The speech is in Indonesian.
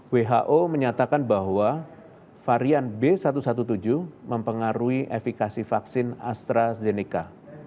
who menyatakan bahwa varian b satu satu tujuh mempengaruhi efekasi vaksin astrazeneca